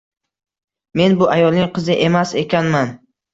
Men bu ayolning qizi emas ekanman